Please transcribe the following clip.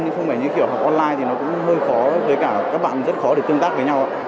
nhưng không phải như kiểu học online thì nó cũng hơi khó với cả các bạn rất khó để tương tác với nhau